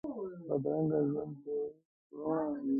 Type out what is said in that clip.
بدرنګه ژوند بې روڼا وي